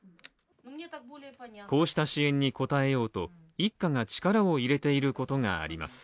こうした支援に応えようと一家が力を入れていることがあります。